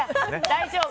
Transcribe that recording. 大丈夫。